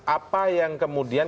apa yang kemudian